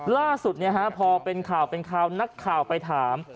ล่าสุดพอเป็นข่าวเป็นข่าวนักข่าวไปถาม